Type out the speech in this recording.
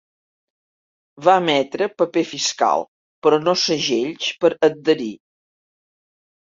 Va emetre paper fiscal però no segells per adherir.